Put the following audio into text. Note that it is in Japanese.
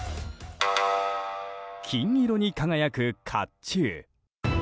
金色に輝く甲冑。